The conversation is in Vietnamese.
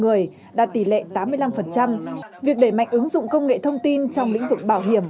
hai hai trăm linh người đạt tỷ lệ tám mươi năm việc đẩy mạnh ứng dụng công nghệ thông tin trong lĩnh vực bảo hiểm